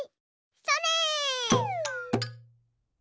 それ！